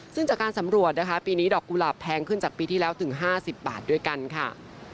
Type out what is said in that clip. ซึ่งจากการสำรวจนะคะปีนี้ดอกกุหลาบแพงขึ้นจากปีที่แล้วถึง๕๐บาทด้วยกันค่ะ